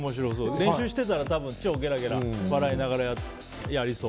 練習してたら超ゲラゲラ笑いながらやりそう。